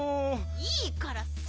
いいからさ！